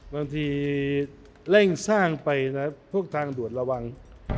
บางทีเร่งสร้างไปนะพวกทางด่วนระวัง